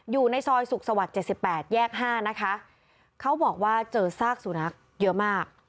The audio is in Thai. อยู่ในซอยศูกษวรรษเจ็ดสิบแปดแยกห้านะคะเขาบอกว่าเจอซากสุนัขเยอะมาก